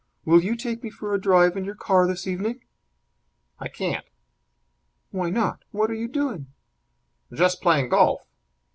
Will you take me for a drive in your car this evening?" "I can't." "Why not? What are you doing?" "Just playing golf!"